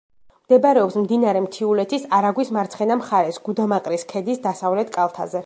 მდებარეობს მდინარე მთიულეთის არაგვის მარცხენა მხარეს, გუდამაყრის ქედის დასავლეთ კალთაზე.